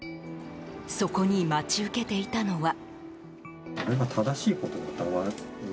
そこに待ち受けていたのは。